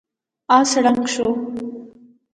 آس ړنګ شو.